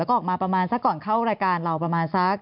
แล้วก็ออกมาประมาณสักก่อนเข้ารายการเราประมาณสัก